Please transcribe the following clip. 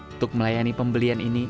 untuk melayani pembelian ini